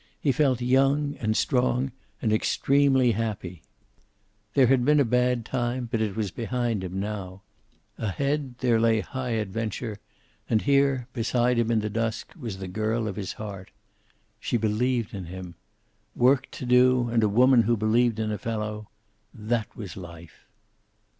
He felt young and strong and extremely happy. There had been a bad time, but it was behind him now. Ahead there lay high adventure, and here, beside him in the dusk, was the girl of his heart. She believed in him. Work to do and a woman who believed in a fellow that was life.